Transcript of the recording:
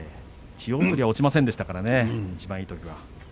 千代鳳は落ちませんでしたからね、いちばんいいときは。